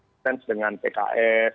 intens dengan tkf